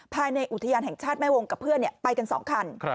ภายในอุทยานแห่งชาติแม่วงกับเพื่อนไปกัน๒คัน